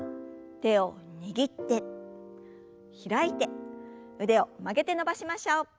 手を握って開いて腕を曲げて伸ばしましょう。